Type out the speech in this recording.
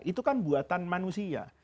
itu kan buatan manusia